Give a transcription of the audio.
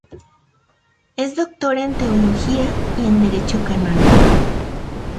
Es Doctor en Teología y en Derecho Canónico.